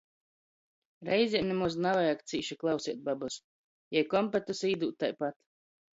Reizem nimoz navajag cīši klauseit babys — jei kompetys īdūd taipat.